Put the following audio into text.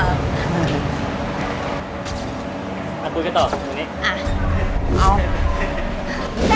เราคุยกันต่อหอมนี้